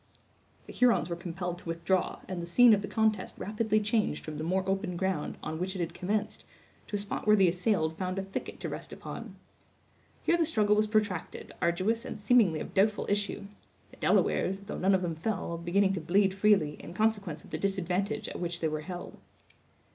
The Hurons were compelled to withdraw, and the scene of the contest rapidly changed from the more open ground, on which it had commenced, to a spot where the assailed found a thicket to rest upon. Here the struggle was protracted, arduous and seemingly of doubtful issue; the Delawares, though none of them fell, beginning to bleed freely, in consequence of the disadvantage at which they were held.